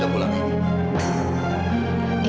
kamu sudah pulang ini